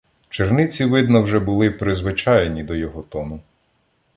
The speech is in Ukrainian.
Черниці, видно, вже були призвичаєні до його тону.